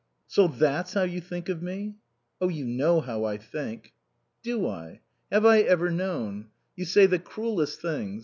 "So that's how you think of me?" "Oh, you know how I think." "Do I? Have I ever known? You say the cruellest things.